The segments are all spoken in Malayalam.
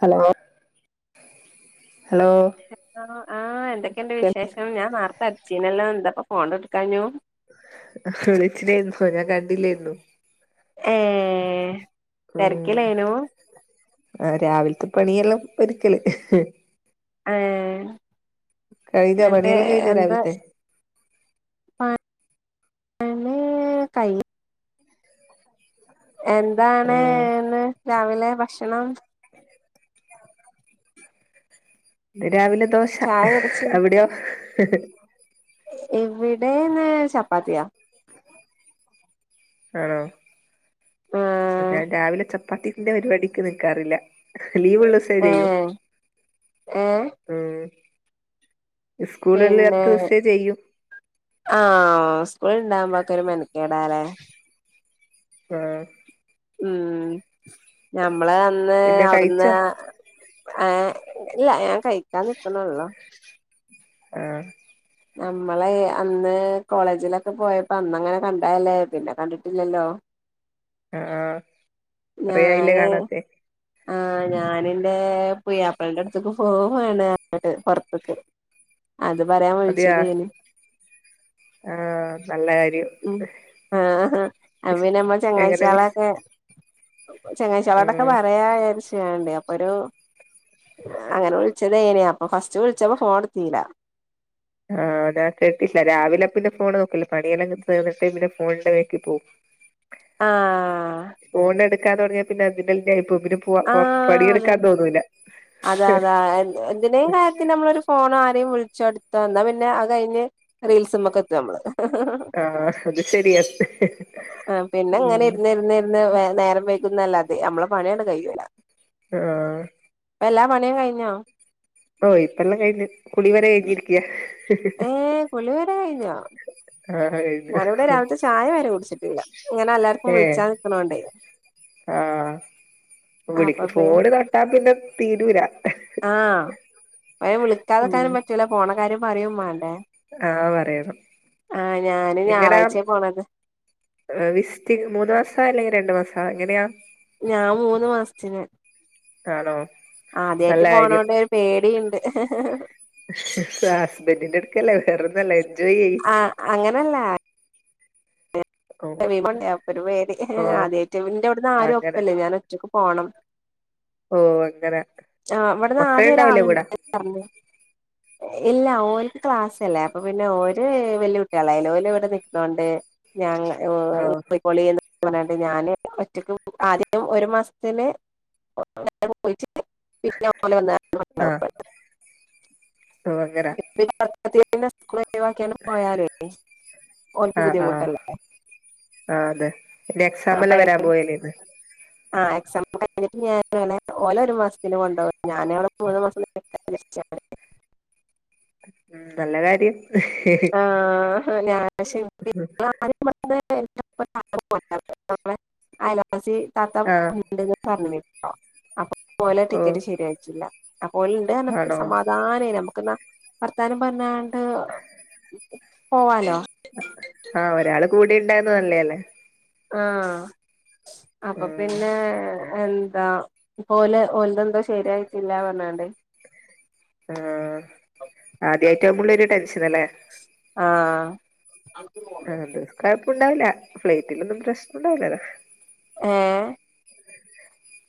ഹലോ ഹലോ ആ എന്തൊക്കെയുണ്ട് കേൾ വിശേഷം. ഞാൻ നേർത്തെ അടച്ചീനല്ലോ എന്താപ്പോ ഫോണ് എടുകാഞ്ഞു. വിളിച്ച് ണ്ടെന്നു ഞാൻ കണ്ടില്ലായിരുന്നു. ഏഹ് ഉം തിരക്കിലേനു ആ രാവില്ത്തെ പണിയെല്ലാം ഒരുക്കല്. ഏ കഴിഞ്ഞോ ന്ന്ട്ട് പണിയെല്ലാം കഴിഞ്ഞോ എന്താ രാവിലത്തെ [unintelligible] ആഹ് എന്താണ്ന്ന് രാവിലെ ഭക്ഷണം ഇന്ന് രാവിലെ ദോശ ചായ കുടിച്ച് അവിടെയോ ഇവിടെ ഇന്ന് ചപ്പാത്തിയാ ആണോ ആഹ് എന്നാൻ രാവിലെ ചപ്പാത്തിക്ക്ന്റെ പരിപാടിക്ക് നിക്കാറില്ലെ ലീവ്ള്ളേസേ ചെയ്യോ ഏഹ് ഏഹ് ഉം പിന്നെ സ്കൂളില്ലാത്ത ദിവസേ ചെയ്യും ആഹ് ഉസ്കൂള്ണ്ടാവാമ്പോക്കെ ഒരു മെനക്കേടാല്ലെ ആഹ് ഉം ഞമ്മള് അന്ന് പിന്നെ കഴിച്ചോ അവിടുന്ന് ആഹ് ഇല്ല ഞാൻ കഴിക്കാൻ നിൽക്കണള്ളു. ആഹ് നമ്മളെയ് അന്ന് കോളേജിലൊക്കെ പോയപ്പോ അന്നങ്ങനെ കണ്ടതല്ലേ പിന്നെ കണ്ടിട്ടില്ലല്ലോ ആഹ് കൊറേ ആയില്ലേ ഞാന് കാണാത്തെ ആഹ് ഞാന് ന്റെ പുയ്യാപ്ലന്റെട്ത്ത്ക്ക് പോവാണ് അങ്ങട്ട് പൊർത്ത്ക്ക് അത് പറയാൻ അതെയാ വിളിച്ചതേനി ആഹ് നല്ല കാര്യം ഉം ആഹ് അ പിന്നെ നമ്മ എങ്ങനെ മിസ് ചെങ്ങാഴ്ചേളൊക്കെ ചങ്ങായ്ച്യാളോടൊക്കെ ഉം പറയാ ചാര്ച്ച് ങ്ങ്യണ്ടേ അപ്പൊരു അങ്ങനെ വിളിച്ച തേനി അപ്പൊ ഫസ്റ്റ് വിള്ച്ചപ്പോ ഫോട്ത്തില്ല ആഹ് ഞാ കേട്ടീല്ലാ രാവിലെ പിന്നെ ഫോണ് നോക്കെല്ല പണിയെല്ലാം തീർന്നിട്ടേ പിന്നെ ഫോണിന്റെ ബേക്ക് പോവു [inaudible] ആഹ് ഫോൺ എടുക്കാ തുടങ്ങ്യാ പിന്നെ അതിനെല്ലെ ഇപ്പ രു ആ അതെൻ അത അത എന്തിനേ കാര്യത്തി നമ്മളൊരു ഫോണ് ആരെ വിളിച്ചോട്ത്തോ ന്നാ പിന്നെ അത് കഴിഞ്ഞ് റീൽസ്മെക്കെത്തും നമ്മള് ആഹ് അത് ശരിയാ ആഹ് പിന്നെങ്ങനെ ഉം ഇർന്ന് ഇർന്ന് ഇർന്ന് വേ നേരം വൈക്കുന്നല്ലാതെ നമ്മളെ പണിയാണ്ട് കയ്യൂല്ല. ആഹ് ഇപ്പെല്ലാ പണീം കയിഞ്ഞോ ഓഹ് ഇപ്പെല്ലം കയ്ഞ്ഞ് കുളി വെരെ എഴ്തീന് ഏ കുളിവെരെ കഴിഞ്ഞോ ആഹേ ഞാനിവിടെ രാവിൽത്തെ ചായ വരെ കുടിച്ചിട്ടില്ല ഇങ്ങനെ എല്ലാർക്കും വിളിച്ചാ നിക്ക്ണോണ്ടേ ആ വിളി പി ഫോണ് തൊട്ടാ പിന്നെ തീരൂലാ ആഹ അയ് ഉം വിളിക്കാതിരിക്കാനും പറ്റൂല പോണ കാര്യം പറയും മാണ്ടേ ആ പറയണം ആ ഞാന് ഞായറാഴ്ചെ പോണത് വിസ്റ്റിങ് മൂന്നു മാസാ അല്ലെങ്കിൽ രണ്ടു മാസാ എങ്ങനെയാ ഞാൻ മൂന്ന് മാസത്തിന് ആണോ ആദ്യായിട്ട് നല്ല കാര്യം പോണോണ്ട് ഒരു പേടിണ്ട്. ഹസ്ബൻഡിന്റെട്ക്കല്ലേ വേറൊന്നല്ല എൻജോയ് ചെയ്യ് ആഹ് അങ്ങനെല്ല ഓ [unintelligible] അപ്പൊര് പേടി ഓ ആദ്യായിറ്റ് ഇന്റാേട്ന്ന് ആരും അങ്ങനെ ഒപ്പല്ലേ ഞാനാെറ്റക്ക് പോണം ഓ അങ്ങനെ ആ ഇവട്ന്ന് ആദ്യ മക്കളുണ്ടാവില്ലേ ഒരാളുണ്ട് കൂടെ പറഞ്ഞ ഇല്ല ഓന്ക്ക് ക്ലാസ് അല്ലേ അപ്പൊ പിന്നെ ഓര് വെല്യ കുട്ട്യാളാലെ ഓലു ഇവിടെ നിക്കുണോണ്ട് ഞങ്ങ ഓ ഇപ്പൊ ഇ പൊളീന്ന് അണ്ട് ഞാാന് ഒറ്റയ്ക്ക് ആദ്യം ഒരു മാസത്തിന് പോയിറ്റ് [unintelligible] പിന്നെ [inaudible] ആ ഓ അങ്ങനെ [unintelligible] സ്‌കൂൾ ഒഴിവാക്ക്യാൽ പോയാൽ ഓൽക്ക് ആ ബുദ്ധി ആ മുട്ടല്ലെ. ആ അതെ അപ്പൊ എക്സാമല്ലെ വരാൻ പോയല്ലേ ഇത് ആ എക്സാമ് കഴിഞ്ഞിട്ട് ഞാന് വേണേൽ ഓല ഒരു മാസത്തിന് കൊണ്ടക ഞാനടെ മൂന്നു മാസം [inaudible] നല്ല കാര്യം ആ ഞ ശ [inaudible] അയലാസി താത്ത ആ ഉണ്ടെന്ന് പറഞ്ഞ്ട്ടോ അപ്പ ഓലെ ഓ ടിക്കറ്റ് ശരിയായിറ്റില്ല അപ്പ ഓല്ണ്ട് അറ്ഞ്ഞപ്പം ഒരു ആണോ സമാധാനേന് അപ്പൊ ക്ക്ന്നാ വർത്താനം പറഞ്ഞാണ്ട് പോവാലോ ആഹ് ഒരാള് കൂടെണ്ടായ്ര്ന്നാ നല്ലെയല്ലേ ആഹ അപ്പൊ ഉം പിന്നെ എന്താ ഓല് ഓലതെന്തോ ശരിയായിട്ടില്ല പറഞ്ഞാണ്ട് ആഹ ആദ്യായ്ട്ടാവുമ്പൊള്ളോരു ടെൻഷന ല്ലേ ആഹ് ആ ദുഖാർക്കുണ്ടാവൂല്ല ഫ്ലൈറ്റിലൊന്നും പ്രശ്നണ്ടാവൂല്ലല്ലോ ഏ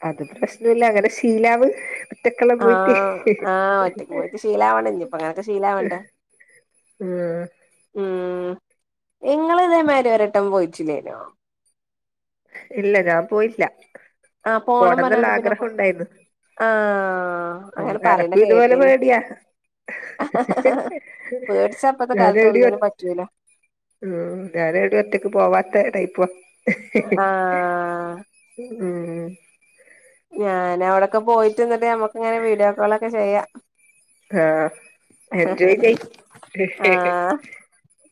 അത് പ്രശ്നല്ല അങ്ങനെ ശീലാവ് ട്ടക്കള പോയിട്ട് ആഹ് ആഹ് ഒറ്റക്ക് ഇഹ് പോയിട്ട് ശീലാവണം ഇഞ്ഞിപ്പ അങ്ങനൊക്കെ ശീലാവണ്ടേ - ആഹ് ഉം ഇങ്ങള് ഇതേമാതിരി ഒരട്ടം പോയിട്ടില്ലേനോ ഇല്ല ഞാൻ പോയില്ല ആ പോണം പോണംന്നുള്ള പറഞ്ഞാണ്ട് പിന്നെ ആഗ്രഹം ഉണ്ടായിരുന്നു ആഹ് ഉം അങ്ങനെ പറയണ എട്ക്കും ഇതുപോലെ കേട്ടീന് പേടിയാ പേടിച്ച ഇപ്പത്തെ ഞാൻ കാലത്ത് രടി ഒന്നിനും [unintelligible] പറ്റൂല ഉം ഞാന് എവിടെയും ഒറ്റക്ക് പോവാത്ത ടൈപ്പാ ആഹ് ഉം ഞൻ അവിടെക്കെ പോയിട്ടന്നിട്ട് നമ്മക്ക് ഇങ്ങനെ വീഡിയോ കോളൊക്കെ ചെയ്യ ആ എൻജോയ് ചെയ് ആഹ്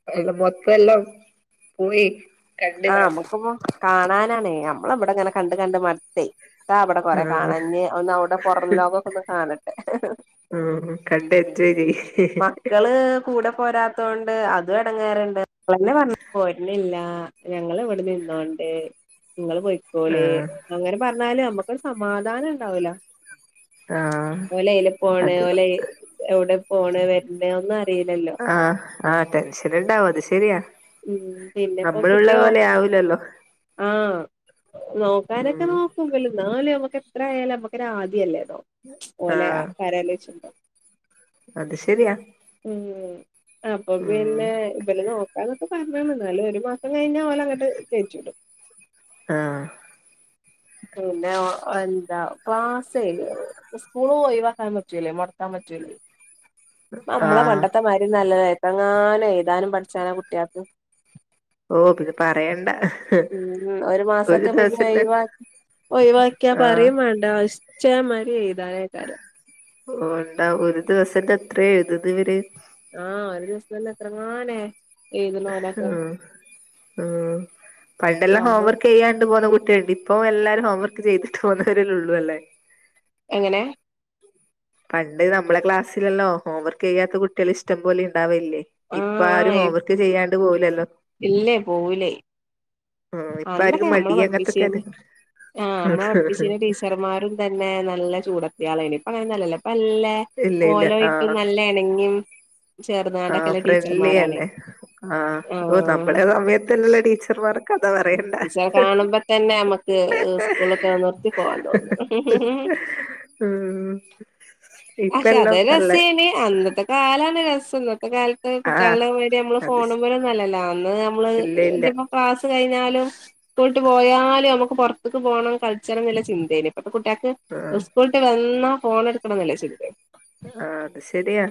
അയിന്റെ മൊത്ത എല്ലാം പോയി കണ്ട് ആഹ് വാ അമ്മക്ക്പ്പം കാണാനാണേ നമ്മളവിടെങ്ങനെ കണ്ട് കണ്ട് മട്ത്തേ ത്താ ബടെ ആഹ് കൊറെകാണാഞ്ഞ് ഒന്ന് അവ്ടെ പൊറം ലോക ക്കൊന്ന് കാണട്ടെ ഉം [unintelligible] മക്കള് കൂടെ പോരാത്തോണ്ട് അതും എടങ്ങേറ്ണ്ട് അതെന്നെ പർഞ്ഞേ പോര്നില്ല ഞങ്ങൾ ഇവിടെ നിന്നോണ്ട് ങ്ങള് പോയിക്കോളീ ആഹ് അങ്ങനെ പറഞ്ഞാല നമ്മുക്ക് ഒരു സമാധാനം ഉണ്ടാവൂല ആഹ് ഓലെയ്ലപ്പോണ് അത് ഓലെയ് എവിടെ പോണ വരണ ഒന്നും അറീല്ലല്ലോ ആഹ് ആഹ് ടെൻഷന്ണ്ടാവും അത് ശെരിയാ ഉം പിന്നെപ്പോ കിട്ടിയോ നമ്മള്‌ല്ലപോലെ ആവുല്ലല്ലോ ആഹ് നോക്കാനൊക്കെ ഉം നോക്കും ബല് ന്നാലും നമ്മക്ക് എത്ര ആയാലും നമ്മുക്കന ആദ്യല്ലേതോ ഓലെ ആഹ് കാര്യാലൊയ്ച്ചു മ്പോ അത് ശെരിയാ ഉം അപ്പൊ പിന്നെ ഇബലെനോ ത്‌പ്പ പറഞ്ഞ വന്നാല് ഒരു മാസം കഴിഞ്ഞ ഓലങ്ങട്ട് കെറ്റിടും ആഹ് പിന്നെ ഒ എന്താ ക്ലാസെയ്‌- ഉസ്കൂളും ഒയ്‌വാക്കാം പറ്റൂലേ മൊട്ക്കാം പറ്റൂലെ [inaudible] പ്പ മ്മളെ ആഹ് പണ്ടത്തെമാതിരി ഒന്നല്ലല്ലേ ത്രങ്ങാന എയ്താനും പഠിച്ചാനാ കുട്ട്യാൾക്ക് ഓ പിന്നെ പറയണ്ട ഉം ഉം ഒരു മാസൊക്കെ പിന്നെഴിവാ ഒഴിവാക്കിയാ ആഹ് പറിം മാണ്ട ഇശ്ചമാതിരി എഴ്താനേക്കാരം ഓട്ടാ ഒരു ദിവസത്തെ എത്ര എഴുതുന്നിവര് ആഹ് ഒരു ദിവസ്ത്തന്നെ എത്രങ്ങാനേ ഉം ഉം പണ്ടെല്ലാം ഞമ്മൾ ഹോംവർക്ക് ചെയ്യാണ്ട് പോന്ന കുട്ട്യാ [unintelligible] ഇപ്പം എല്ലാരും ഹോംവർക്ക് ചെയ്തിട്ട് പോകുന്നവരേ ഉള്ളൂ അല്ലേ എങ്ങനെ പണ്ട് നമ്മളെ ക്ലാസ്സിലല്ലോ ഹോം വർക്കയ്യാത്ത കുട്ട്യേള് ഇഷ്ടം പോലെ ഉണ്ടാവലില്ലേ ഇപ്പൊ ആരും ആഹ് ഹോംവർക്ക് ചെയ്യാണ്ട് പോവൂലല്ലോ ഇല്ലേ പോവൂലേ ആ ഇപ്പ ആരിക്കും മടി അങ്ങത്തെക്കൊര് ആ അമ്മളെ പഠിപ്പിച്ചീന ടീച്ചർമാരും തന്നെ നല്ല ചൂടത്യാളേനു പ്പങ്ങനൊന്നു അല്ലല്ലോ പ്പല്ലെ ഇല്ല ഇല്ല ഓലായ്ട്ടും നല്ലെ എണങ്ങിം ആ ഫ്രണ്ട്ലി അല്ലേ ആ ഓ ആഹ് നമ്മളെ സമയത്തുള്ള ടീച്ചർമാർ ടീച്ചറെ കാണുമ്പോ തന്നെ അമ്മക്ക് സ്കൂളൊക്കെ നിർത്തി പോവാൻ തോന്നും മ്ഹ്- ഊം പക്ഷെ അത് ഇപ്പെല്ലോം നല്ലെ രസേന് അന്നത്തെ കാലാണ് രസം ഇന്നത്തെ കാൽത്ത് ആഹ് കുട്ട്യേള്നെ മായ്രി അമ്മള് അത് ശ ഫോണ്‌മലൊന്നു അല്ലല്ലാ അന്ന് മ്മ്ള് ഇല്ല ഇല്ല ഞ്ഞി പ്പൊ പാസ് കഴിഞ്ഞാലും സ്കൂട്ട് പോയാലു മക്ക് പൊർത്ത്ക്ക് പോണം കളിച്ചണം ചിന്തേന് ഇപ്പത്തെ കുട്ട്യേക്ക് ആഹ് സ്കൂള്ട്ട് വന്നാ ഫോൺ എടുക്കണം എന്ന്ളള ചിന്തെ ആഹ് അത് ശെരിയാ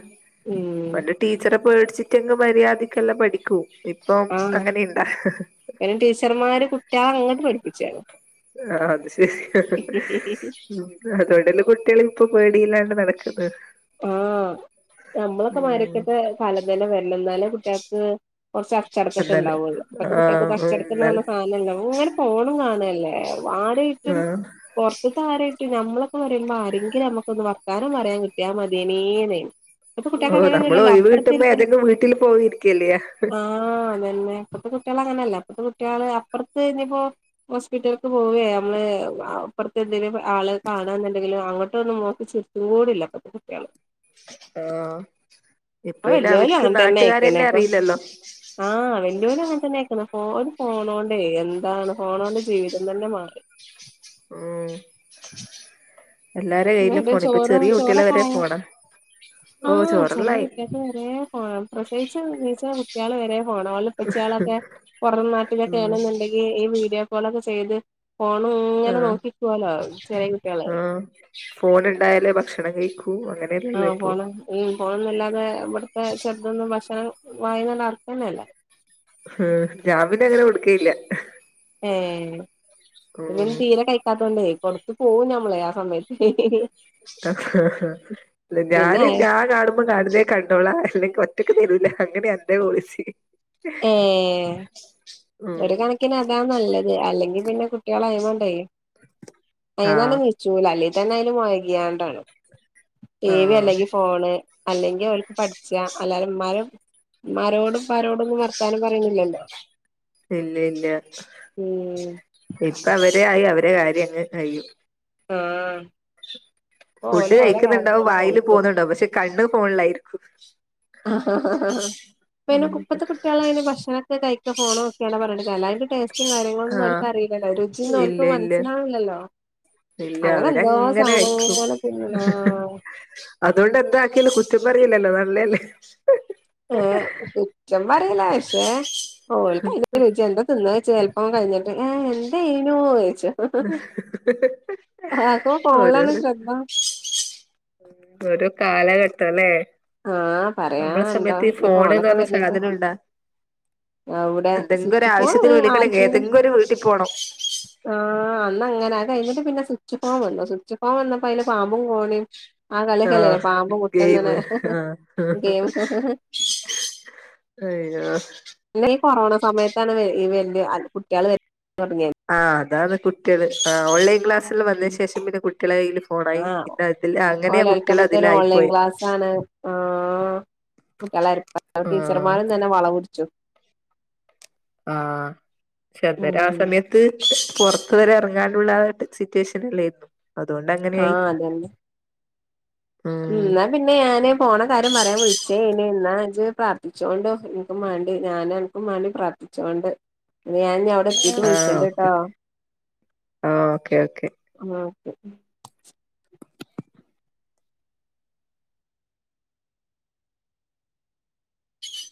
ഉം പ ടീച്ചറെ പേടിച്ചിട്ടെങ്ങ് മര്യാദക്കല്ലം പഠിക്കൂ ഇപ്പം അങ്ങനെയിണ്ടാ. അയിന് ടീച്ചർമാര് കുട്ടികളെ അങ്ങട്ട് പഠിപ്പിച്ചാണ് ആഹ് അത് ശെരി ഉം അതോണ്ടെല്ലെ കുട്ട്യേളിപ്പൊ പേടിയില്ലാണ്ട് നടക്ക്ന്ന് ആഹ് നമ്മളൊക്കെ ഉം മാരിക്കത്തെ കാലംതന്നെ വരണം എന്നാലെ കുട്ട്യേൾക്ക് കുറച്ച് അച്ചടക്കൊക്കെ എന്നാല് ഉണ്ടാവുള്ളൂ ഇപ്പഴത്തെ കുട്ടികൾക്കൊക്കെ ആഹ് എന്നാല് അച്ചടക്കന്ന്പറഞ്ഞ സാനല്ല ഇങ്ങനെ ഫോണും കാണല്ലേ. ആരെയ്റ്റും ആഹ് പൊർത്ത്ത്തെ ആരെയ്റ്റും ഞമ്മളൊക്കെ പറീമ്പോ ആരെങ്കിലൊമ്മക്കൊന്ന് വർത്താനം പറയാ കി കിട്ടിയമതിയിനിന്ന് ഓഹ് നമ്മള് ഒഴിവ് കിട്ടുമ്പോ ഏതെങ്ക് വീട്ടില് പോയിരിക്കല്ലെയ്യാ ആഹ് അതന്നെ ഇപ്പത്തെ കുട്ട്യേള് അങ്ങനല്ല പ്പത്തെ കുട്ട്യേള് അപ്പറെത്ത് നിപ്പോ ഹോസ്പിറ്റല്ക്ക് പോവേ നമ്മള് അപ്പറത്തെ എന്തെങ്കിലും ആളെ കാണണെന്നുണ്ടെങ്കിലോ അങ്ങോട്ട് ഒന്ന് നോക്കിച്ച ചൂടില്ല പത്തെ കുട്ടിള്. ആഹ് ഇപ്പ ഇപ്പയ്ന് വല്യോലും അവര്ക്ക് അങ്ങനെ തന്നെ ആയിക്കണ് നാട്ട്കാരെന്നെ ഇപ്പ അറിയില്ലല്ലൊ ആഹ് വെല്ല്യോലും അങ്ങെൻതെന്നേയ്ക്ക്ണ്പ്പോ ഒര് ഫോണോണ്ടേ എന്താണ് ഫോണോണ്ട് ജീവിതം തന്നെ മാറി. [inaudible] കയ്യിലും വടെ ഫോൺ ഇപ്പൊ ചോറും ചെറിയ കുട്ടികളെ വരെ ചോറൊക്കായിനു ഫോണാ ഓഹ് ആഹ് ചെറിയ ചോറെല്ലായി കട്ടിയക്ക് വരെ ഫോണ പ്രസവിച്ച് നീച്ച കുട്ടിയാള് വരെ ഫോണ ഓലെ ഇപ്പച്ചയാളൊക്കെ പൊറം നാട്ടിലൊക്കെ ഉം ണെന്ന് ഇണ്ടെങ്കില് ഈ വീഡിയോ കോളൊക്കെ ചെയ്ത് ഫോൺ ഇങ്ങനെ ആഹ് നോക്കിക്കാലോ ചെറിയ കുട്ടിയാള് ആഹ് ഫോൺ ഉണ്ടായലെ ഭക്ഷണം കഴിക്കൂ അങ്ങനെ ആഹ് ഫോൺ ഉം ഫോണന്നല്ലാതെ ഇവിടത്തെ ചെറുതൊന്നും ഭക്ഷണം വായന്നന്നെ ആർക്കന്നെല്ല. ഉ ഞാൻ പിന്നെയെങ്ങനെ കൊടുക്കയില്ല ഏ ഇവൻ ഉം തീരെ കഴിക്കാത്തൊണ്ടേ കൊടുത്തുപോവും നമ്മളെ ആ സമയ പിന്നെ ഞാന് ഞാൻ കാണും കാടിലേ കണ്ടോളാ അല്ലെങ്കിൽ ഒറ്റക്ക് തരൂല അങ്ങനെ എന്റെപോളിസി. ഏ [inaudible] ഒരു കണക്കിന് അതാ നല്ലത് അല്ലെങ്കിൽ പിന്നെ കുട്ടികൾ അയ്മണ്ടേയ് അയ് മണ്ട് ആഹ് നീ ചൂല അല്ല തന്നെ അതില് മൊഴക് യാണ്ടാണ് ടി വി ആഹ് അല്ലെങ്കി ഫോണ് അല്ലെങ്കി ഓൽക്ക് പഠ്ച്ചാ അല്ലാരും മ്മാരും മ്മാരോടും പ്പാരോടൊന്നും വർത്താനം പറീണ്ല്ലല്ലോ ഇല്ല ഇല്ല [unintelligible] ഇപ്പ അവരായി അവരെ കാര്യയ് കയ്യും മ് ഫുഡ് കഴിക്കുന്നുണ്ടാവും തന്നെ വായില് നോക്കും പോകുന്നുണ്ടാവും പക്ഷെ കണ്ണ് ഫോണിലായിരിക്കും ഹ ഹ ഹ ഹ പ്പെയ്ന് ഉം പ്പെത്തെ കുട്ട്യേളയ്ന് ഭഷണൊക്കെ കയ്ക്ക ഫോണോക്ക്യാണ്ടാ പർന്ന്ട്ട് കര്യല്ലാ അയ്ന് ടേസറ്റും കാര്ങ്ങളൊന്നും ആഹ് ഓൽക് അറിലല്ലോ രുചി ഒന്നും ഇല്ല ഓൽക്ക് ഇല്ല മൻസ്സിലാവ്ണില്ലല്ലോ ഇല്ല അങ്ങനെ എന്തോ അവരങ്ങനെ കഴിക്കും സാനങ്ങള് പിന്നലാ അതുകൊണ്ട് എന്താക്ക്യാലും കുറ്റം പറിയില്ലല്ലോ നല്ലെല്ലെ ഏഹ് കുറ്റം പറയല ഷെ ഓൽക് ഐന് [unintelligible] തിന്നോയ്ച്ചാ ചെൽപ്പം കയ്ഞ്ഞ്ട്ട് ആഹ് എന്തേനു ഓയ്ച്ചും [unintelligible] ആര്തോ ഫോൺള്ളാണ് ഓരോരോ ശ്രദ്ധ ഒരു കാലഘട്ടാെലേ ആഹ് നമ്മള പറയാണ്ടോ സമയത്ത് ഈ ഫോൺന്ന് ഫോണൊക്കെ പറഞ്ഞ വരണേന്റെ സാധനണ്ടാ അവിടെ എന്തെങ്ക് സ്വിച്ച് ഫോൺ ഒരാവശ്യത്തിന് വിളിക്കണെങ്കേ ഏതെങ്കാെര് വീട്ടി പോണം ആ അന്ന അങ്ങനാ അത് കഴിഞ്ഞിട്ട് പിന്നെ സ്വിച്ച് ഫോം വന്നു സ്വിച്ച് ഫോം വന്നപ്പോ അതില് പാമ്പും കോണിം ആ കളിക്കലെ ആഹ് പാമ്പ് ഗെയിമ് മുട്ടന്ന്ണെ ആഹ് ഗെയിം അയ്യോ ന്നെ ഈ കൊറോണ സമയത്താണ് വെ ഈ വെല്ല്യ അൽ കുട്ട്യേള് വെര് താെട്ങ്ങ്യെത് ആഹ് അതാണ് കുട്ട്യെള് ആഹ് ഓൺലൈൻ ക്ലാസ് ള് വന്ന ഉം ശേഷം പിന്നെ കുട്ടിളെ കയ്യ്ല് ഫോണായി ആഹ് പിന്നെ അതില് അങ്ങനെയാ കുട്ടിളെ തിലായി പോയി. ആ കുട്ടിള [unintelligible] ആഹ് ടീച്ചർമാരും തന്നെ വള കുടിച് ആഹ് ചെൽന്നേരം ആ ഉം സമയത്ത് പൊർത്ത് വരെ എറങ്ങാണ്ടുള്ള സിറ്റുവേഷനില്ലെ അതുകൊണ്ട് അങ്ങനെയായി. ആഹ് ഉം ഇന്ന പിന്നെ ഞാന് പോണ കാര്യം പറയാൻ വിളിച്ചേന് എന്നാച്ച് പ്രാർത്ഥിച്ചോണ്ടോ എനിക്കും മാണ്ടി ഞാൻ അന അൻക്കും മാണ്ടിപ്രാർത്ഥിച്ചോണ്ട് ഞാൻ ഇഞ്ഞ് ടെത്തീട്ട് ആഹ് വിൾച്ചണ്ട്ട്ടാെ ഓക്കെ ഓക്കെ ഓക്കെ ആഹ് ഓകെ